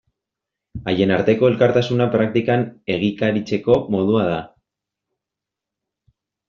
Haien arteko elkartasuna praktikan egikaritzeko modua da.